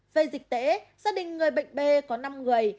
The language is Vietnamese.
về dịch tễ gia đình người bệnh b có năm người